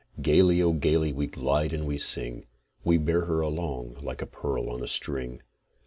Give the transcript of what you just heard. Gaily, O gaily we glide and we sing, We bear her along like a pearl on a string.